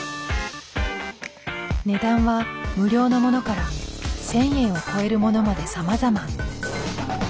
値段は無料のものから１，０００円を超えるものまでさまざま。